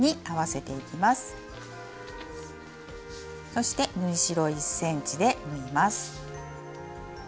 そして縫い代１ｃｍで縫います。